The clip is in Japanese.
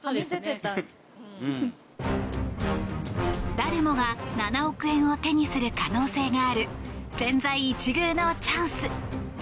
誰もが７億円を手にする可能性がある千載一遇のチャンス。